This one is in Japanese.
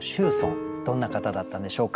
どんな方だったんでしょうか。